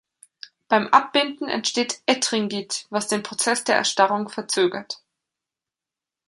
Beim Abbinden entsteht Ettringit, was den Prozess der Erstarrung verzögert.